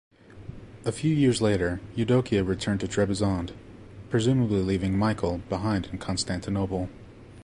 A few years later Eudokia returned to Trebizond, presumably leaving Michael behind in Constantinople.